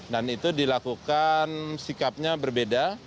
dan itu dilakukan sikapnya berbeda